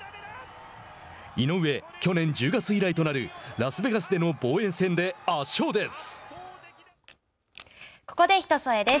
井上、去年１０月以来となるラスベガスでの防衛戦で圧勝です。